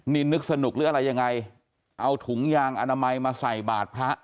นี่นึกสนุกหรืออะไรยังไงเอาถุงยางอนามัยมาใส่บาทพระ